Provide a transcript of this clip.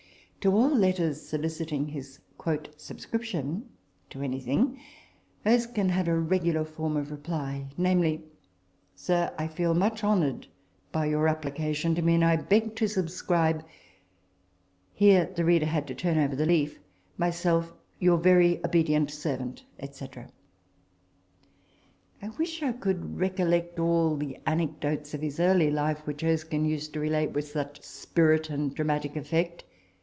To all letters soliciting his " subscription " to anything, Erskine had a regular form of reply, viz., " Sir, I feel much honoured by your application to me, and I beg to subscribe " here the reader had to turn over the leaf " myself your very ob* servant," &c. I wish I could recollect all the anecdotes of his early life which Erskine used to relate with such 28 RECOLLECTIONS OF THE spirit and dramatic effect.